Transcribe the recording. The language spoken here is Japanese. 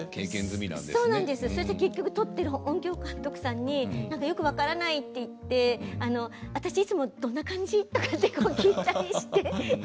結局、音響の監督さんによく分からないと言っていつも私どんな感じですか？と聞いたりして。